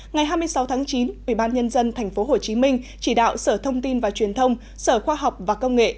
ngày hai mươi sáu tháng chín ubnd tp hcm chỉ đạo sở thông tin và truyền thông sở khoa học và công nghệ